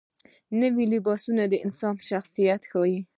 نوی لباس د انسان شخصیت ښیي